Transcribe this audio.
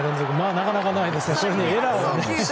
なかなかないですよね。